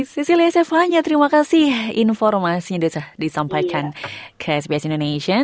cecilia sefanya terima kasih informasinya disampaikan ke sbs indonesia